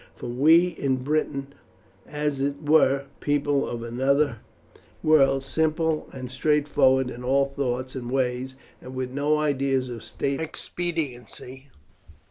For we in Britain are, as it were, people of another world simple and straightforward in our thoughts and ways, and with no ideas of state expediency.